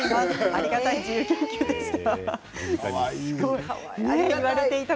ありがたい自由研究でした。